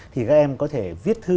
thì các em có thể viết thư